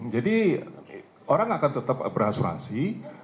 jadi orang akan tetap berasuransi